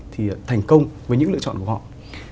thì thành công với những lựa chọn của họ